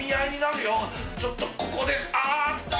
ちょっとここでああーっ！